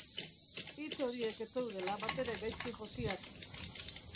Hitz horiek ez zeudela batere gaizki josiak.